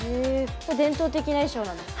これ伝統的な衣装なんですか？